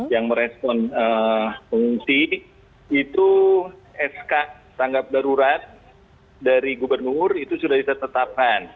yang merespon pengungsi itu sk tanggap darurat dari gubernur itu sudah ditetapkan